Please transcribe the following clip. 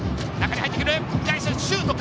左足シュートか！